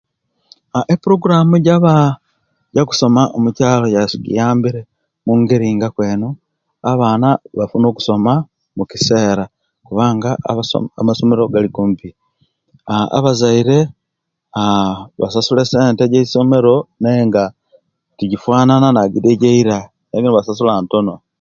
Eprogramu ejaba ejokusoma mukyalo kyaisu giyambire mungeri nga kweno abaana bafuna okusoma mukisera kubanga amasomero gali kumpi aa abazyre basasula esente ejeysomero naye nga tijifanana najidi ejeyra basasula ntono